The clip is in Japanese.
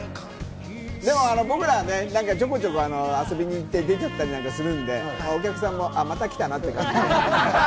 僕らはね、ちょこちょこ遊びに行って出ちゃったりなんかするので、お客さんもまた来たなって感じで。